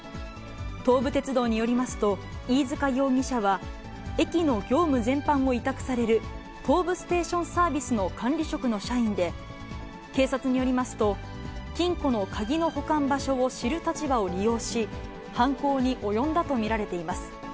東武鉄道によりますと、飯塚容疑者は、駅の業務全般を委託される東武ステーションサービスの管理職の社員で、警察によりますと、金庫の鍵の保管場所を知る立場を利用し、犯行に及んだと見られています。